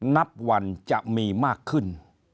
นับวันจะมีมากขึ้น